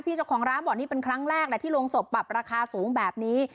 เจ้าของร้านบอกนี่เป็นครั้งแรกแหละที่โรงศพปรับราคาสูงแบบนี้